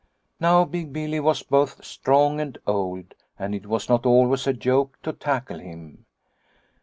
Now Big Billy was both strong and old and it was not always a joke to tackle him.